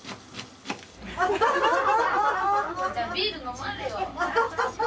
じゃあビール飲まれよ。